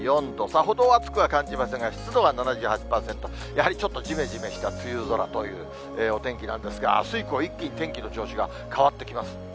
さほど暑くは感じませんが、湿度は７８％、やはりちょっとじめじめした梅雨空というお天気なんですが、あす以降、一気に天気の調子が変わってきます。